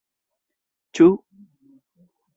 Ĉu?